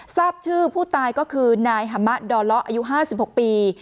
ทราบชื่อผู้ตายก็คือนายหมะดอเลาะอายุ๕๖ปี